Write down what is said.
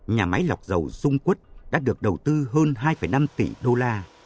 nhà máy lọc dầu dung quất đã được đầu tư hơn hai năm tỷ đô la